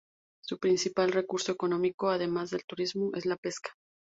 Su principal recurso económico, además del turismo, es la pesca.